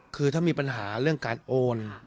คือถ้ามีปัญหาเรื่องการโอน